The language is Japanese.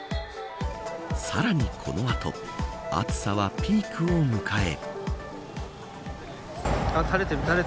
さらにこの後暑さはピークを迎え。